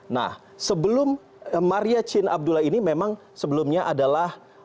nah sebelum maria chin abdullah ini memang sebelumnya adalah